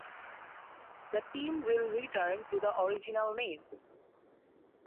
The team will return to the original name.